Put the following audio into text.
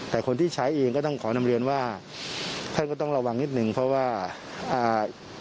แต่คนที่ใช้เองก็ต้องขอนำเรียนว่าท่านก็ต้องระวังนิดหนึ่งเพราะว่าอ่า